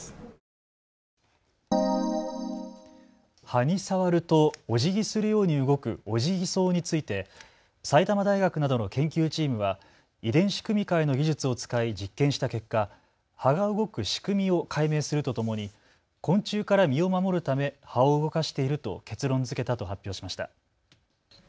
葉に触るとおじぎするように動くオジギソウについて埼玉大学などの研究チームは遺伝子組み換えの技術を使い実験した結果、葉が動く仕組みを解明するとともに昆虫から身を守るため葉を動かしていると結論づけたと発表しました。